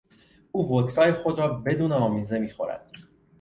او ودکای خود را بدون آمیزه میخورد.